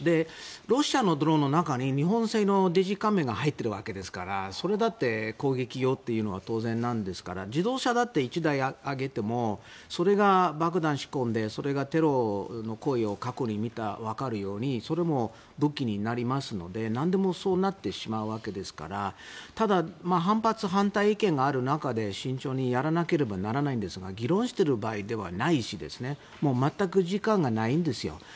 ロシアのドローンの中に日本製のデジカメが入っているわけですからそれだって攻撃用というのは当然なんですから自動車だって１台あげてもそれに爆弾仕込んでそれがテロの行為を過去に見たらわかるようにそれも武器になりますのでなんでもそうなってしまうわけですからただ反発がある中で慎重にやらないといけないんですが議論してる場合ではないし全く時間がないんですよ。